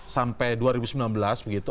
sampai dua ribu sembilan belas begitu